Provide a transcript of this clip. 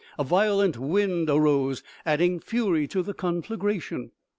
A violent wind arose, adding fury to the conflagration.